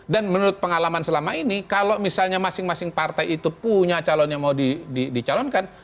dan menurut pengalaman selama ini kalau misalnya masing masing partai itu punya calon yang mau dicalonkan